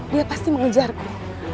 dia pasti mengejarku